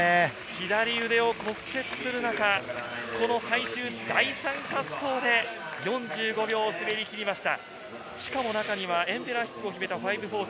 左腕を骨折する中、最終第３滑走で４５秒を滑りきりました。